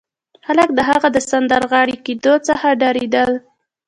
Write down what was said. خلک د هغه د سندرغاړي کېدو څخه ډارېدل